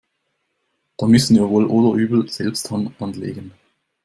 Da müssen wir wohl oder übel selbst Hand anlegen.